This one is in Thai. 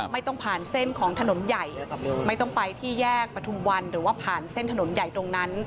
ไม่ต้องผ่านเส้นของถนนใหญ่ไม่ต้องไปที่แยกประทุมวันหรือว่าผ่านเส้นถนนใหญ่ตรงนั้น